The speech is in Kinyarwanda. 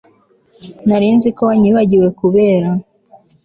nari nzi ko wanyibagiwe, kubera